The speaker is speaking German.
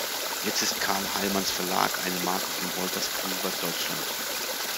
Jetzt ist Carl Heymanns Verlag eine Marke von Wolters Kluwer Deutschland.